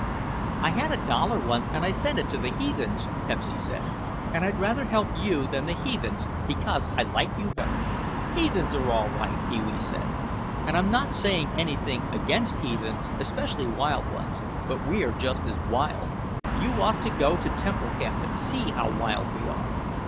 "I had a dollar once and I sent it to the heathens," Pepsy said, "and I'd rather help you than the heathens, because I like you better." "Heathens are all right," Pee wee said, "and I'm not saying anything against heathens, especially wild ones, but we're just as wild. You ought to go to Temple Camp and see how wild we are."